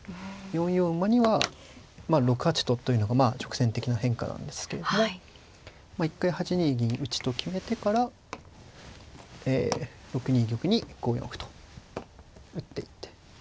４四馬には６八とというのがまあ直線的な変化なんですけども一回８二銀打と決めてから６二玉に５四歩と打っていって。